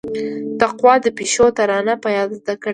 تقوا د پيشو ترانه په ياد زده کړيده.